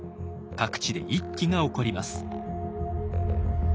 各地で一揆が起こります。